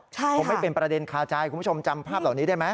ใช่ค่ะคุณผู้ชมจำภาพเหล่านี้ได้ไหมผมไม่เป็นประเด็นคาใจ